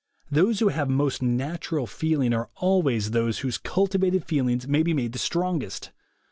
Those who have most natural feeling, are always those whose cultivated feelings may be made the strongest.